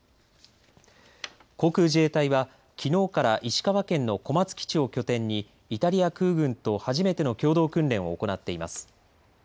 航空自衛隊はきのうから石川県の小松基地を拠点にイタリア空軍と初めての共同訓練を行っています。